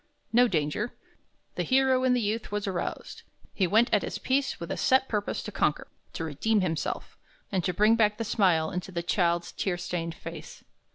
No danger. The hero in the youth was aroused. He went at his "piece" with a set purpose to conquer, to redeem himself, and to bring back the smile into the child's tear stained face.